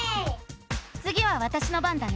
つぎはわたしの番だね。